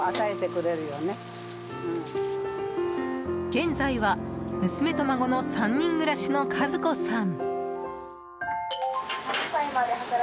現在は娘と孫の３人暮らしの和子さん。